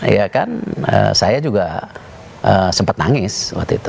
ya kan saya juga sempat nangis waktu itu